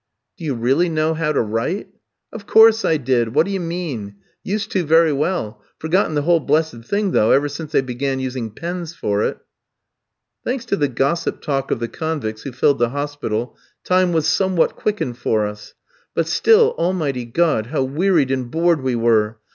"'Do you really know how to write?' "'Of course I did. What d'ye mean? Used to very well; forgotten the whole blessed thing, though, ever since they began to use pens for it.'" Thanks to the gossip talk of the convicts who filled the hospital, time was somewhat quickened for us. But still, Almighty God, how wearied and bored we were!